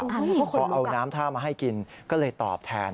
พอเอาน้ำท่ามาให้กินก็เลยตอบแทน